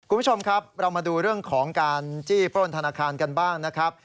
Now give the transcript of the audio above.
คุณผู้ชมครับเรามาดูเรื่องของการจี้ปล้นธนาคารกันบ้างนะครับ